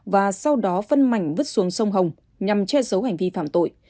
và sau đó phân mảnh vứt xuống sông hồng nhằm che giấu hành vi phạm tội